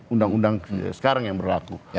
undang undang sekarang yang berlaku